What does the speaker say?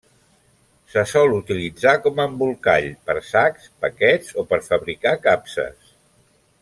Se sol utilitzar com a embolcall, per sacs, paquets o per fabricar capses.